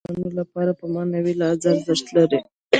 ژبې د افغانانو لپاره په معنوي لحاظ ارزښت لري.